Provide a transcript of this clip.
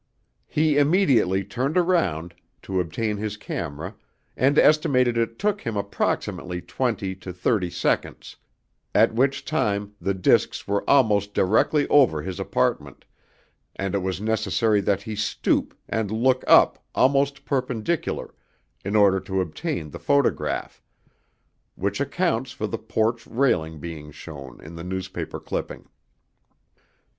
He immediately turned around to obtain his camera and estimated it took him approximately twenty to thirty seconds, at which time the discs were almost directly over his apartment and it was necessary that he stoop and look up almost perpendicular in order to obtain the photograph, which accounts for the porch railing being shown in the newspaper clipping.